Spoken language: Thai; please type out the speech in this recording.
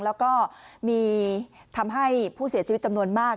แล้วก็มีทำให้ผู้เสียชีวิตจำนวนมาก